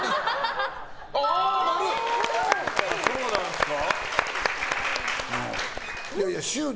そうなんすか？